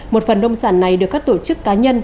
một phần nông sản này được các tổ chức cá nhân